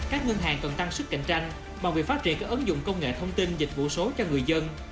các ngân hàng cần tăng sức cạnh tranh bằng việc phát triển các ứng dụng công nghệ thông tin dịch vụ số cho người dân